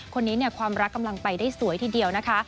คนนี้ความรักกำลังไปได้สวยทีเดียวนะคะ